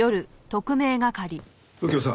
右京さん